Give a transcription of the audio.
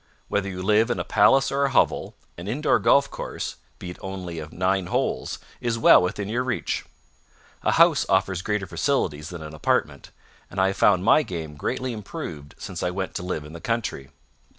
Whether you live in a palace or a hovel, an indoor golf course, be it only of nine holes, is well within your reach. A house offers greater facilities than an apartment, and I have found my game greatly improved since I went to live in the country.